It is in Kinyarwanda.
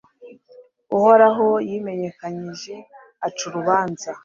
uhoraho yimenyekanyije, aca urubanza